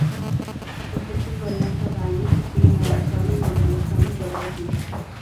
Las fechas varían cada año y se sigue avanzando y modernizando cada vez más.